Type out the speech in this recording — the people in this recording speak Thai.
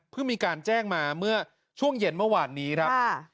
มีการแจ้งมาเมื่อช่วงเย็นเมื่อวานนี้ครับ